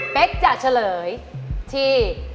เป๊กจะเฉลยที่